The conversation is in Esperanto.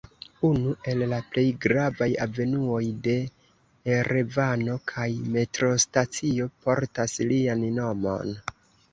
Unu el la plej gravaj avenuoj de Erevano kaj metrostacio portas lian nomon.